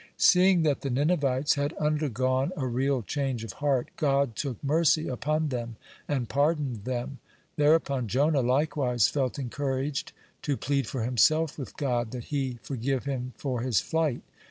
(35) Seeing that the Ninevites had undergone a real change of heart, God took mercy upon them, and pardoned them. Thereupon Jonah likewise felt encouraged to plead for himself with God, that He forgive him for his flight.